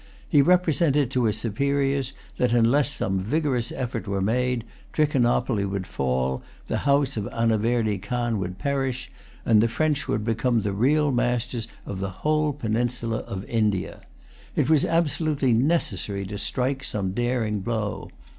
He represented to his superiors that unless some vigorous effort were made, Trichinopoly would fall, the house of Anaverdy Khan would perish, and the French would become the real masters of the whole peninsula of India. It was absolutely necessary to strike some daring blow.